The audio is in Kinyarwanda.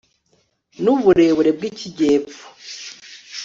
nuburebure bgikijyepfo